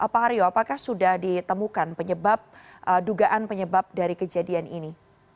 pak haryo apakah sudah ditemukan penyebab dugaan penyebab dari kejadian ini